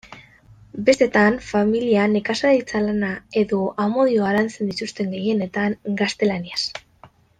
Bestetan familia, nekazaritza-lana edo amodioa lantzen dituzte, gehienetan gaztelaniaz.